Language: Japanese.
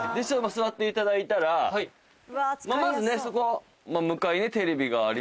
座っていただいたらまずねそこ向かいねテレビがありますよね。